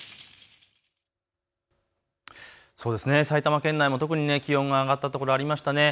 そうですね、埼玉県内も特に気温が上がったところ、ありましたね。